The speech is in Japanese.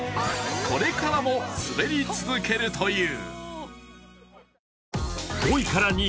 これからもスベり続けるという。